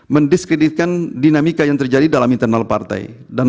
mendiskreditkan dinamika yang terjadi dalam internal partai